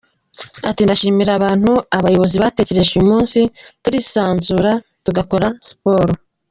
Ati “Ndashimira abantu, abayobozi batekereje uyu munsi, turisanzura tugakora siporo.